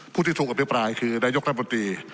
ผู้ที่ถูกอภิปรายคือนายกรัฐมนตรี